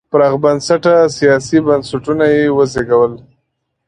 پراخ بنسټه سیاسي بنسټونه یې وزېږول.